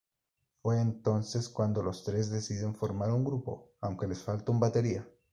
Fue entonces cuando los tres deciden formar un grupo, aunque les falta un batería.